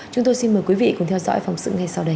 chúng tôi xin mời quý vị cùng theo dõi phóng sự ngay sau đây